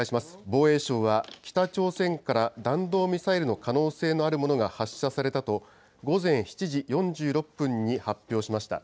防衛省は、北朝鮮から弾道ミサイルの可能性のあるものが発射されたと、午前７時４６分に発表しました。